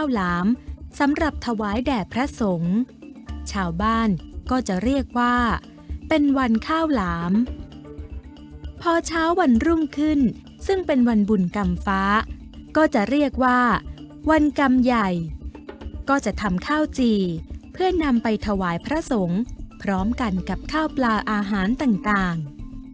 สำหรับถวายแด่พระสงฆ์ชาวบ้านก็จะเรียกว่าเป็นวันข้าวหลามพอเช้าวันรุ่งขึ้นซึ่งเป็นวันบุญกรรมฟ้าก็จะเรียกว่าวันกรรมใหญ่ก็จะทำข้าวจี่เพื่อนำไปถวายพระสงฆ์พร้อมกันกับข้าวปลาอาหารต่าง